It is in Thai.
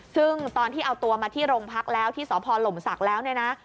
ซึ่งตอนที่เอาตัวมาที่โรงพักแล้วที่สพหลมศักดิ์แล้วเนี่ยนะ